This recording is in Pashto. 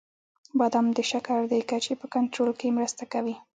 • بادام د شکر د کچې په کنټرول کې مرسته کوي.